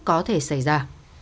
có thể xảy ra